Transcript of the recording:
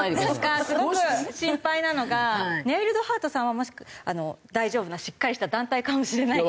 すごく心配なのがにゃいるどはーとさんは大丈夫なしっかりした団体かもしれないけど。